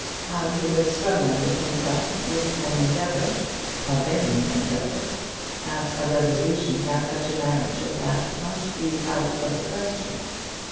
how he was struggling within himself with an endeavour, a vain endeavour, at a resolution that such a marriage as that must be out of the question!